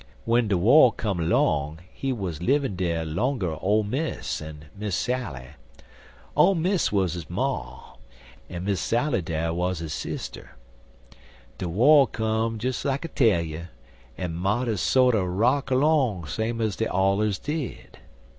When de war come long he wuz livin' dere longer Ole Miss en Miss Sally. Ole Miss 'uz his ma, en Miss Sally dar 'uz his sister. De war come des like I tell you, en marters sorter rock along same like dey allers did.